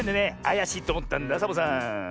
あやしいっておもったんだサボさん。